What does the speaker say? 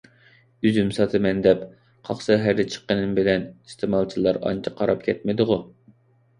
ئۈزۈم ساتىمەن دەپ قاق سەھەردە چىققىنىم بىلەن ئىستېمالچىلار ئانچە قاراپ كەتمىدىغۇ؟